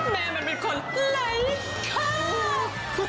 แม่มันเป็นคนไร้ครับ